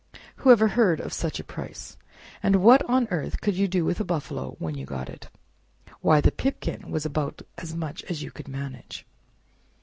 Whoever heard of such a price? And what on earth could you do with a buffalo when you got it? Why, the pipkin was about as much as you could manage."